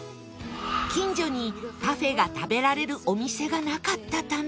近所にパフェが食べられるお店がなかったため